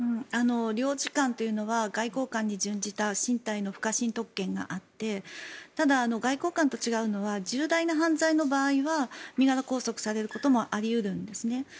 領事館というのは外交官に準じた身体の不可侵特権があってただ、外交官と違うのは重大な犯罪の場合は身柄拘束されることもあり得るんですね。